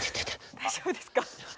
大丈夫ですか？